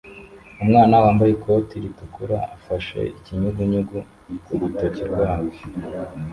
Umwana wambaye ikoti ritukura afashe ikinyugunyugu ku rutoki rwabo